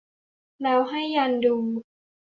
แล้วให้ยันดู